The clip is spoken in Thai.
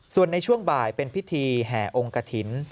ส่วนในช่วงบ่ายเป็นพิธีแห่องกฐิน